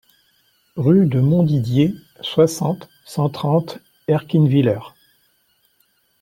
Rue de Montdidier, soixante, cent trente Erquinvillers